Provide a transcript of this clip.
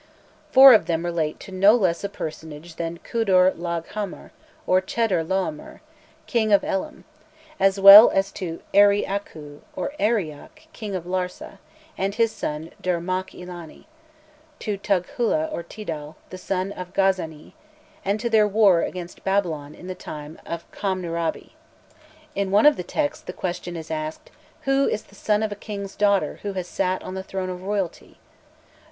Four of them relate to no less a personage than Kudur Laghghamar or Chedor laomer, "King of Elam," as well as to Eri Aku or Arioch, King of Larsa, and his son Dur makh ilani; to Tudghula or Tidal, the son of Gazza[ni], and to their war against Babylon in the time of Khamrnu[rabi]. In one of the texts the question is asked, "Who is the son of a king's daughter who has sat on the throne of royalty?